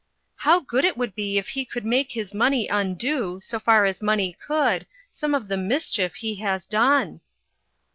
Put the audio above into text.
" How good it would be if he could make his money undo, so far as money could, some of the mischief he has done."